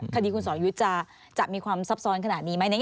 คดีคุณสอยุทธ์จะมีความซับซ้อนขนาดนี้ไหม